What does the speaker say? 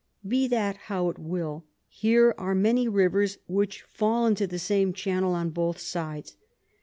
Be that how it will, here are many Rivers which fall into the same Channel on both sides.